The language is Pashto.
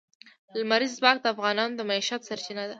لمریز ځواک د افغانانو د معیشت سرچینه ده.